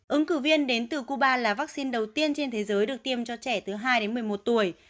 ứng cử viên đến từ cuba là vaccine đầu tiên trên thế giới được tiêm cho trẻ từ hai đến một mươi một tuổi